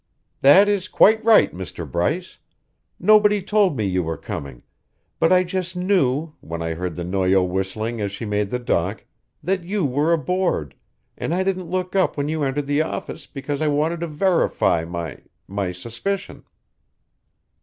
"That is quite right, Mr. Bryce. Nobody told me you were coming, but I just knew, when I heard the Noyo whistling as she made the dock, that you were aboard, and I didn't look up when you entered the office because I wanted to verify my my suspicion."